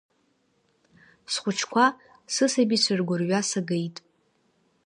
Схәыҷқәа, сысабицәа ргәырҩа сагеит…